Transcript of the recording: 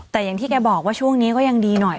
แต่อย่างที่แกบอกว่าช่วงนี้ก็ยังดีหน่อย